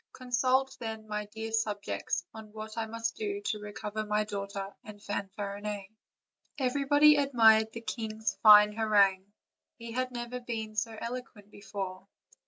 Consult, then, my dear subjects, on what I must do to recover my daughter and Fanfarinet." Everybody admired the king's fine harangue; he had never been so eloquent before.